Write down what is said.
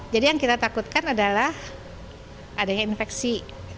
jadi yang kita takutkan adalah adanya infeksi